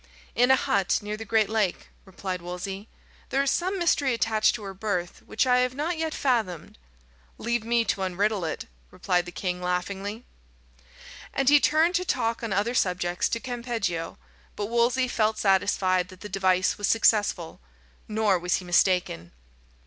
"In a hut near the great lake," replied Wolsey. "There is some mystery attached to her birth, which I have not yet fathomed." "Leave me to unriddle it," replied the king laughingly. And he turned to talk on other subjects to Campeggio, but Wolsey felt satisfied that the device was successful. Nor was he mistaken.